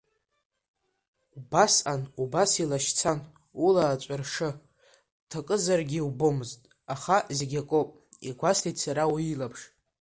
Убасҟан убас илашьцан, ула аҵәыршы ҭакызаргьы иубомызт, аха зегь акоуп, игәасҭеит сара уи илаԥш.